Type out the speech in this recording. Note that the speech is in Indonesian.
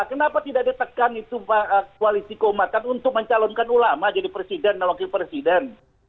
kenapa tidak ditekan itu koalisi keumatan untuk mencalonkan ulama jadi presiden